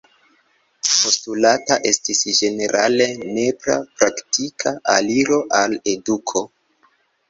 Postulata estis ĝenerale nepra praktika aliro al eduko.